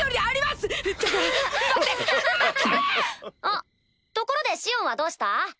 あっところでシオンはどうした？